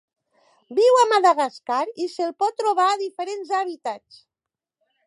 Viu a Madagascar i se'l pot trobar a diferents hàbitats.